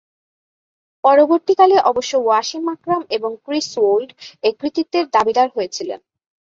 পরবর্তীকালে অবশ্য ওয়াসিম আকরাম এবং ক্রিস ওল্ড এ কৃতিত্বের দাবীদার হয়েছিলেন।